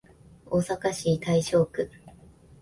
大阪市大正区